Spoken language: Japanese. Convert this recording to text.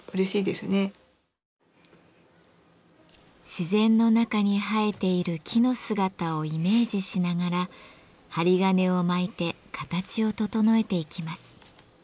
自然の中に生えている木の姿をイメージしながら針金を巻いて形を整えていきます。